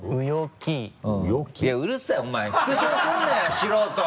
素人！